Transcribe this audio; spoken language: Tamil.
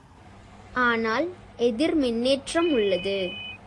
ஆனால் எதிர்மின்னேற்றம் உள்ளது.